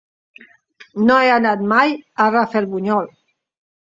No he anat mai a Rafelbunyol.